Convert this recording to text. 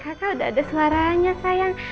kakak udah ada suaranya sayang